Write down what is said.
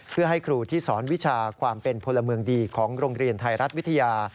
เพื่อให้ครูที่สอนวิชาความเป็นพลเมืองดีของโรงเรียนไทยรัฐวิทยา